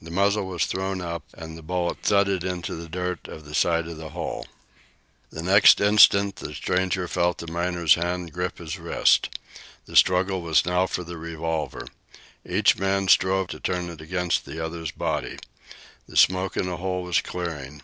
The muzzle was thrown up and the bullet thudded into the dirt of the side of the hole. The next instant the stranger felt the miner's hand grip his wrist. The struggle was now for the revolver. Each man strove to turn it against the other's body. The smoke in the hole was clearing.